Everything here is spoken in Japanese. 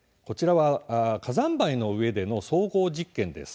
火山灰の上での走行実験です。